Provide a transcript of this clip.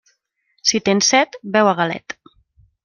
Si tens set, beu a galet.